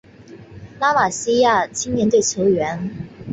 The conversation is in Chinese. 拉玛西亚青年队球员